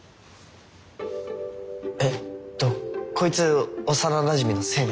えっとこいつ幼なじみの清名